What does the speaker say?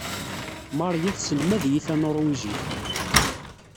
Maria tesselmad-iyi tanuṛwijit.